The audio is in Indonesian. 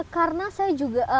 karena saya juga